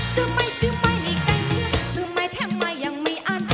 สึมัยสึมัยนี่กันนี่สึมัยแท่มัยยังไม่อัน